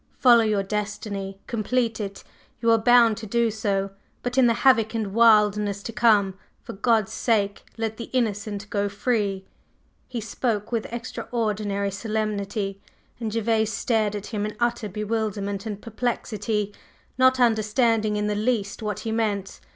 Follow your destiny, complete it, you are bound to do so, but in the havoc and wildness to come, for God's sake, let the innocent go free!" He spoke with extraordinary solemnity, and Gervase stared at him in utter bewilderment and perplexity, not understanding in the least what he meant.